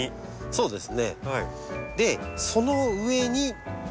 そうです。